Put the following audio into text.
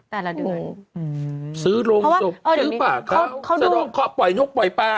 แบบซื้อรวมสบซื้อป่าเก้า